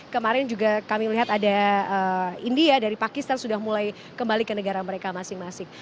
kemarin juga kami lihat ada india dari pakistan sudah mulai kembali ke negara mereka masing masing